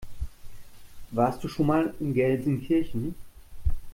Warst du schon mal in Gelsenkirchen?